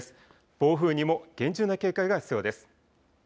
暴風にも厳重な警戒が必要です。